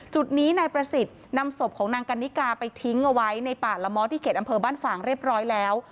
จุดนี้นายประสิทธิ์นำศพของนางกันนิกาไปทิ้งเอาไว้ในป่าละม้อที่เขตอำเภอบ้านฝ่างเรียบร้อยแล้ว